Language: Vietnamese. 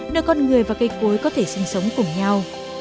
nơi con người và cây cối có thể sinh sống cùng nhau